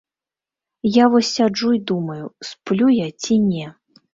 Я вось сяджу і думаю, сплю я ці не.